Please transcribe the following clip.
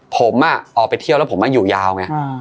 ผมน่ะออกไปเที่ยวแล้วอยู่ยาว